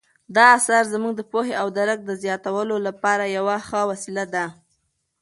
دا اثر زموږ د پوهې او درک د زیاتولو لپاره یوه ښه وسیله ده.